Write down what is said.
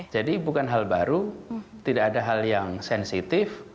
jadi bukan hal baru tidak ada hal yang sensitif